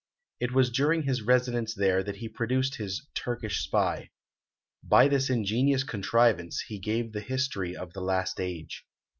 It was during his residence there that he produced his "Turkish Spy." By this ingenious contrivance he gave the history of the last age.